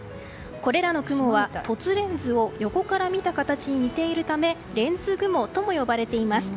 これらの雲は凸レンズを横から見た形に似ているため、レンズ雲とも呼ばれています。